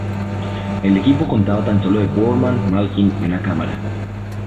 El equipo constaba tan solo de Boorman, Malkin y un cámara.